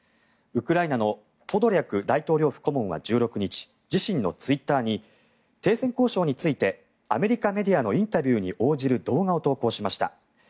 ウクライナのポドリャク大統領府顧問は１６日自身のツイッターに停戦交渉についてアメリカメディアのインタビューに応じる動画を投稿しました。